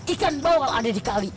ikan bawal ada di kali